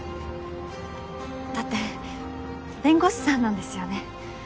だって弁護士さんなんですよね。